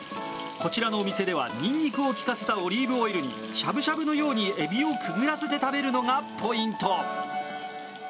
こちらのお店では、ニンニクを効かせたオリーブオイルにしゃぶしゃぶのようにエビをくぐらせて食べるのがポイント。